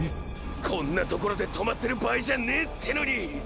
こんなところで止まってる場合じゃねえってのに！